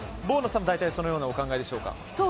ボーノさんもそのようなお考えでしょうか。